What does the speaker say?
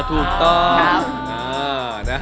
ถูกต้อง